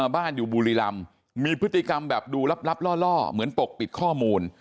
บ้านอยู่บุรีรำมีพฤติกรรมแบบดูลับล่อเหมือนปกปิดข้อมูล